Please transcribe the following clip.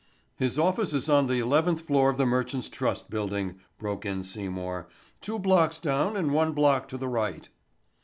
"His office is on the eleventh floor of the Merchants' Trust building," broke in Seymour. "Two blocks down and one block to the right."